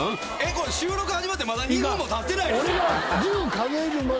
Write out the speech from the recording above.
これ収録始まってまだ２分もたってないですよ。